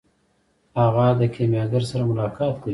هغه د کیمیاګر سره ملاقات کوي.